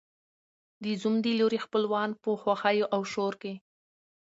د زوم د لوري خپلوان په خوښیو او شور کې